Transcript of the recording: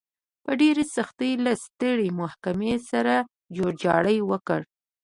په ډېرې سختۍ له سترې محکمې سره جوړجاړی وکړ.